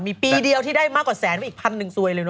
มีปีเดียวที่ได้มากกว่าแสนมาอีกพันหนึ่งสวยเลยเน